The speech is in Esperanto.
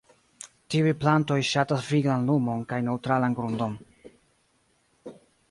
Tiuj plantoj ŝatas viglan lumon kaj neŭtralan grundon.